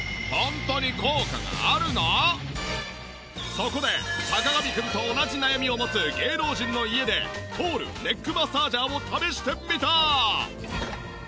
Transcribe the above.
そこで坂上くんと同じ悩みを持つ芸能人の家でトールネックマッサージャーを試してみた！